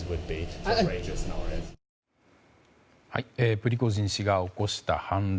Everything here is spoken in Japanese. プリゴジン氏が起こした反乱。